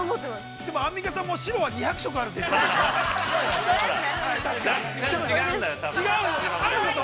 でも、アンミカさんも白は２００色あると言っていましたね。